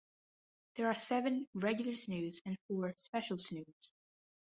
There are seven regular Snoods and four Special Snoods.